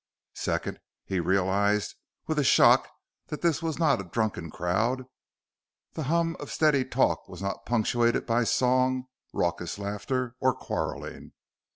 Second, he realized with a shock that this was not a drunken crowd; the hum of steady talk was not punctuated by song, raucus laughter, or quarreling.